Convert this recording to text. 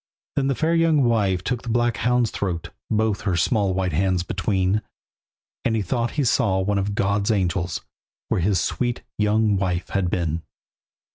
Then the fair young wife took the black hound's throat Both her small white hands between. And he thought he saw one of God's angels Where his sweet young wife had been.